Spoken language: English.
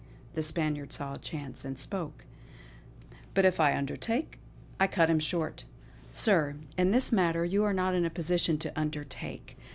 The Spaniard saw a chance, and spoke: "But if I undertake " I cut him short: "Sir, in this matter you are not in a position to undertake.